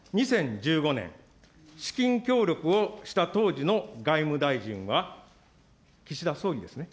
２０１５年、資金協力をした当時の外務大臣は、岸田総理ですね。